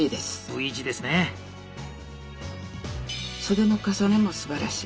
袖の重ねもすばらしい。